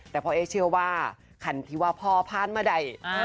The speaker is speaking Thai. แต่พ่อเอ๊เชื่อว่าคันที่ว่าพ่อผ่านมาได้